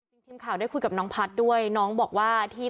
พี่เขาบอกว่าเขาทำไป